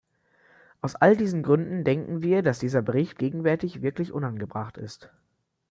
Aus all diesen Gründen denken wir, dass dieser Bericht gegenwärtig wirklich unangebracht ist.